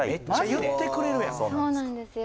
そうなんですよ